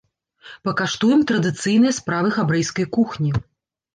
Пакаштуем традыцыйныя стравы габрэйскай кухні.